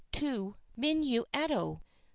MINUETTO 3.